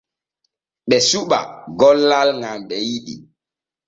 Ɓe suɓa gollal ŋal ɓe yiɗi.